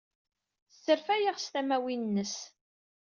Tesserfay-aɣ s tamawin-nnes.